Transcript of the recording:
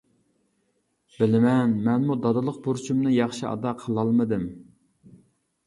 بىلىمەن، مەنمۇ دادىلىق بۇرچۇمنى ياخشى ئادا قىلالمىدىم.